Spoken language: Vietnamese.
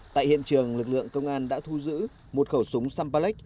tại hiện trường lực lượng công an đã thu giữ một khẩu súng sambax